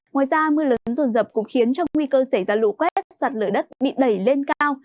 ngoài ra mưa lớn rồn rập cũng khiến cho nguy cơ xảy ra lũ quét sạt lở đất bị đẩy lên cao